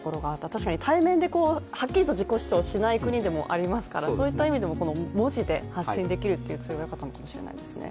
確かに対面ではっきりと自己主張しない国でもありますからそういった意味でも文字で発信できるというツールがよかったのかもしれないですね。